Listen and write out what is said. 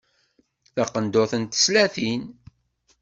Taqendurt n teslatin.